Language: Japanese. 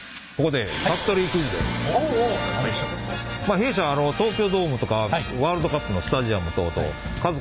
弊社東京ドームとかワールドカップのスタジアム等々